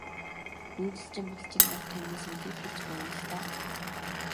Нүүдэлчин малчин ард түмний соёлыг хэлж байна л даа.